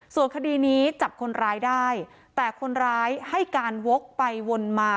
ส่วนคดีนี้จับคนร้ายได้แต่คนร้ายให้การวกไปวนมา